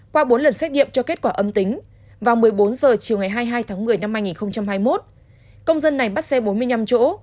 qua bốn lần xét nghiệm cho kết quả âm tính vào một mươi bốn h chiều ngày hai mươi hai tháng một mươi năm hai nghìn hai mươi một công dân này bắt xe bốn mươi năm chỗ